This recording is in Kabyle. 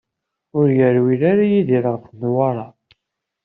Ur yerwil ara Yidir ɣef Newwara.